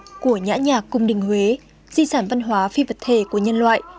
các bản học của nhã nhạc cung đình huế di sản văn hóa phi vật thể của nhân loại